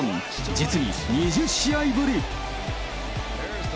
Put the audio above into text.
実に２０試合ぶり。